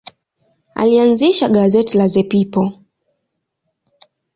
Alianzisha gazeti la The People.